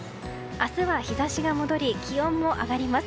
明日は日差しが戻り気温も上がります。